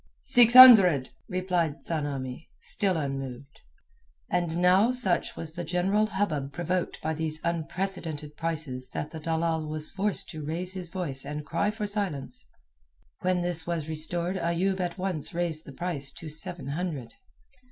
"Six hundred," replied Tsamanni, still unmoved. And now such was the general hubbub provoked by these unprecedented prices that the dalal was forced to raise his voice and cry for silence. When this was restored Ayoub at once raised the price to seven hundred.